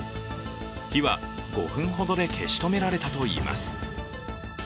火は５分ほどで消し止められたといいます。